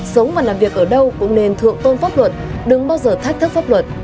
sống và làm việc ở đâu cũng nên thượng tôn pháp luật đừng bao giờ thách thức pháp luật